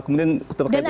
kemudian terkait waktunya